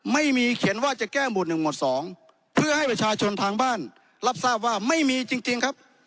ไม่มีเขียนว่าจะแก้หมวดหนึ่งหมวดสองเพื่อให้ประชาชนทางบ้านรับทราบว่าไม่มีจริงครับ